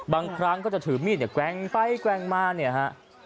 บางครั้งก็จะถือมีดเนี่ยแกว่งไปแกว่งมาเนี่ยฮะ